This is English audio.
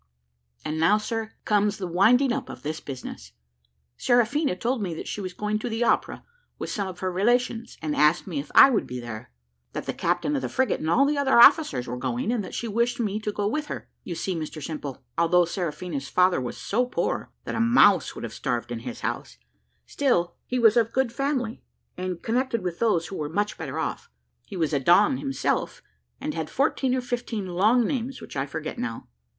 And now, sir, comes the winding up of this business. Seraphina told me that she was going to the opera with some of her relations, and asked me if I would be there; that the captain of the frigate, and all the other officers were going, and that she wished me to go with her. You see, Mr Simple, although Seraphina's father was so poor, that a mouse would have starved in his house, still he was of good family, and connected with those who were much better off. He was a Don himself, and had fourteen or fifteen long names, which I forget now.